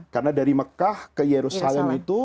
karena dari mekah ke yerusalem itu